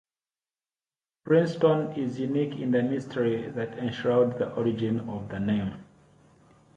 Princeton is unique in the mystery that enshrouds the origin of the name.